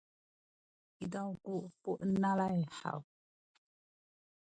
izaw ku puenelay